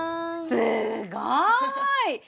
すごい！